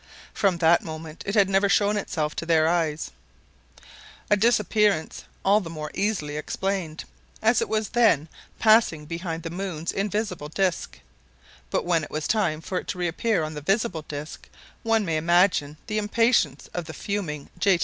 From that moment it had never shown itself to their eyes—a disappearance all the more easily explained, as it was then passing behind the moon's invisible disc; but when it was time for it to reappear on the visible disc, one may imagine the impatience of the fuming J.